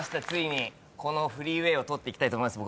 このフリーウェーを通っていきたいと思います僕は。